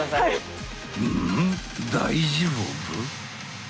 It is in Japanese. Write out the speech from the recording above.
ん大丈夫？